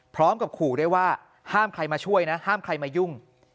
พร้อมกับขู่ด้วยว่าห้ามใครมาช่วยนะห้ามใครมายุ่ง